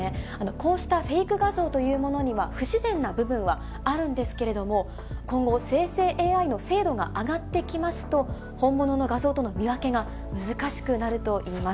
こうしたフェイク画像というものには、不自然な部分はあるんですけれども、今後、生成ＡＩの精度が上がってきますと、本物の画像との見分けが難しくなるといいます。